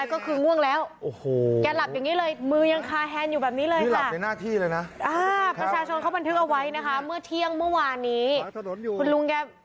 แกหลับอย่างนี้เลยมึยัง